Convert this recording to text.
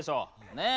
ねえ